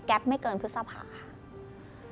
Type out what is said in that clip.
แก๊ปไม่เกินพฤษภาคม